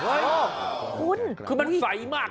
โอ้โหคุณคือมันใสมาก